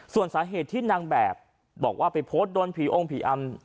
ส่วนสาเหตุที่นางแบบบอกว่าอะไรไปโพสต์โดนพิโรงพิอำ